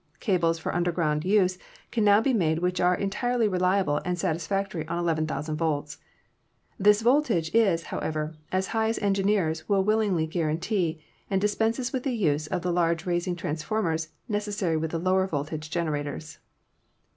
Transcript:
Cables for underground use can now be made which are entirely reliable and satisfactory on 11,000 volts. This voltage is, however, as high as engineers will will ingly guarantee and dispenses with the use of the large raising transformers necessary with lower voltage gene rators.